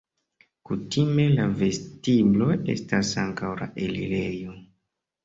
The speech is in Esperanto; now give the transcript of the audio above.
Kutime la vestiblo estas ankaŭ la elirejo.